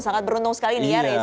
sangat beruntung sekali ini ya reza